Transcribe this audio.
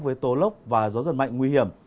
với tố lốc và gió giật mạnh nguy hiểm